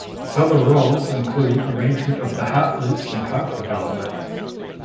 Its other roles include arrangement of the heart loops in heart development.